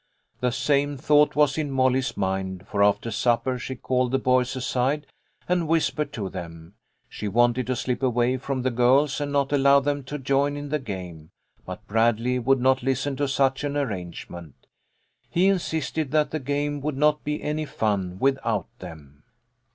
The same thought was in Molly's mind, for after supper she called the boys aside and whispered to them. She wanted to slip away from the girls and not allow them to join in the game; but Bradley would not listen to such an arrangement. He insisted that the game would not be any fun without them.